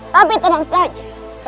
tapi tenang saja